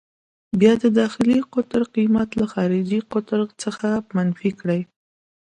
بیا د داخلي قطر قېمت له خارجي قطر څخه منفي کړئ.